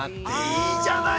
◆いいじゃない。